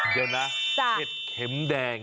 เดี๋ยวนะเห็ดเข็มแดง